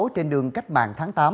trên đường cách mạng tháng tám